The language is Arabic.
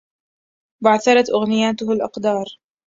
بعثرت أغنياته الأقدار